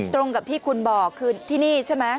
ตรงกับที่คุณบอกคือที่นี่ใช่ไหม